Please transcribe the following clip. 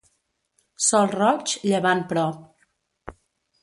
Sol roig, llevant prop.